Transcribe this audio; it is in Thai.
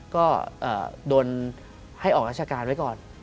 ก็โดนให้ออกราชการไว้ก่อน